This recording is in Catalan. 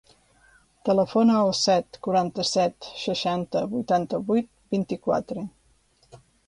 Telefona al set, quaranta-set, seixanta, vuitanta-vuit, vint-i-quatre.